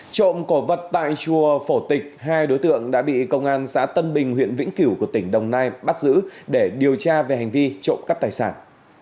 trộm cổ vật tại chùa phổ tịch hai đối tượng đã bị công an xã tân bình huyện vĩnh cửu của tỉnh đồng nai bắt giữ để điều tra về hành vi trộm cắp tài sản